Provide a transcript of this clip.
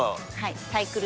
サイクル。